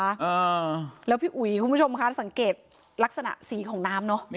อ่าแล้วพี่อุ๋ยคุณผู้ชมคะสังเกตลักษณะสีของน้ำเนอะ